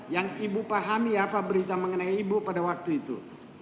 yang ibu pahami apa berita mengenai ibu pada waktu itu